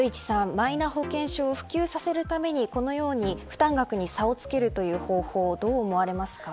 マイナ保険証を普及させるためにこのように負担額に差をつけるという方法はどう思われますか。